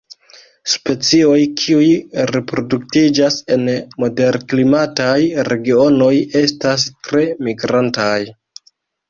Specioj kiuj reproduktiĝas en moderklimataj regionoj estas tre migrantaj.